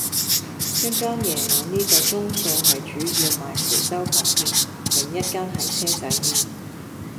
一間夜晚呢個鐘數係主要賣潮州粉麵,另一間係車仔麵